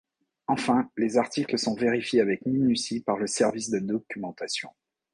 Enfin, les articles sont vérifiés avec minutie par le service de documentation.